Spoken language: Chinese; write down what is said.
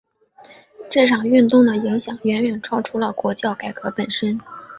这场运动的影响远远超出了国教改革本身。